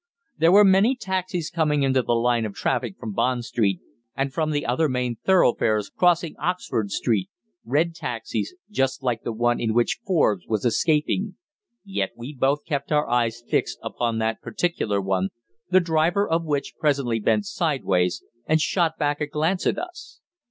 There were many taxis coming into the line of traffic from Bond Street and from the other main thoroughfares crossing Oxford Street red taxis, just like the one in which Forbes was escaping. Yet we both kept our eyes fixed upon that particular one, the driver of which presently bent sideways, and shot back a glance at us.